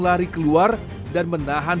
lari keluar dan menahan